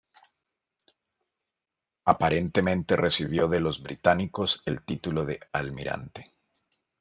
Aparentemente recibió de los británicos el título de Almirante.